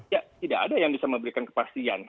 ya tidak ada yang bisa memberikan kepastian